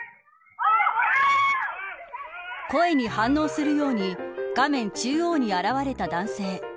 声に反応するように画面中央に現れた男性。